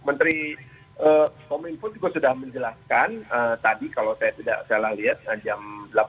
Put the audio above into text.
menteri kominfo juga sudah menjelaskan tadi kalau saya tidak salah lihat jam delapan belas